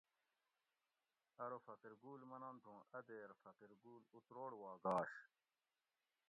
ارو فقیر گل منت ہوں اۤ دیر فقیر گل اتروڑ وا گاش